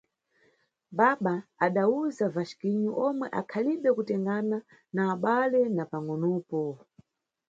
Baba – adawuza Vasquinho omwe akhalibe kutengana na abale na pangʼonopo.